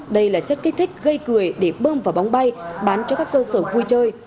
đây là chất kích thích gây cười để bơm vào bóng bay bán cho các cơ sở vui chơi